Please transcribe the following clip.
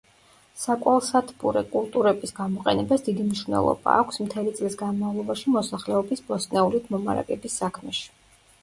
საკვალსათბურე კულტურების გამოყენებას დიდი მნიშვნელობა აქვს მთელი წლის განმავლობაში მოსახლეობის ბოსტნეულით მომარაგების საქმეში.